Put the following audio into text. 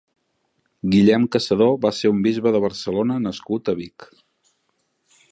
Guillem Caçador va ser un bisbe de Barcelona nascut a Vic.